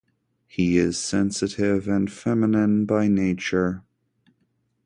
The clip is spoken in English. He is sensitive and feminine by nature.